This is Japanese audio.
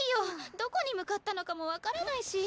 どこに向かったのかも分からないし。